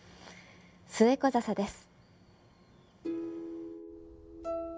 スエコザサです。